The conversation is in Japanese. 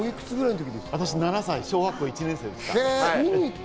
私は７歳、小学校１年生でした。